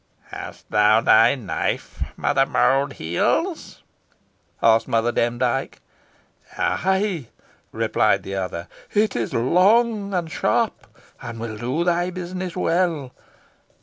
"Hast thou thy knife, Mould heels?" asked Mother Demdike. "Ay," replied the other, "it is long and sharp, and will do thy business well.